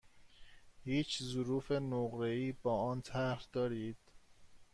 هیچ ظروف نقره ای با آن طرح دارید؟